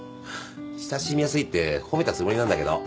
親しみやすいって褒めたつもりなんだけど。